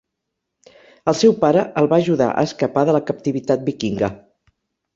El seu pare el va ajudar a escapar de la captivitat vikinga.